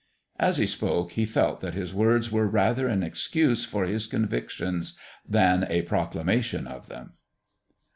As he spoke he felt that his words were rather an excuse for his convictions than a proclamation of them.